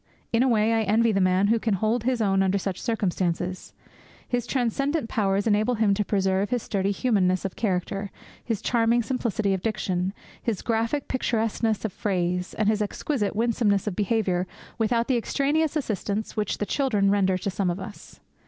In a way, I envy the man who can hold his own under such circumstances. His transcendent powers enable him to preserve his sturdy humanness of character, his charming simplicity of diction, his graphic picturesqueness of phrase, and his exquisite winsomeness of behaviour without the extraneous assistance which the children render to some of us.